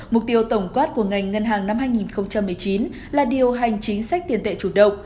mục tiêu tổng quát của ngành ngân hàng năm hai nghìn một mươi chín là điều hành chính sách tiền tệ chủ động